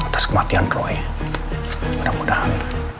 atas kematian roy mudah mudahan